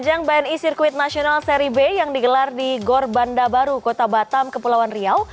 ajang bni sirkuit nasional seri b yang digelar di gor banda baru kota batam kepulauan riau